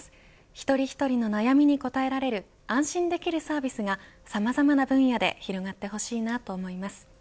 一人一人の悩みに応えられる安心できるサービスがさまざまな分野で広がってほしいなと思います。